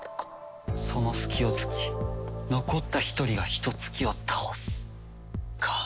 その隙を突き残った１人がヒトツ鬼を倒すか。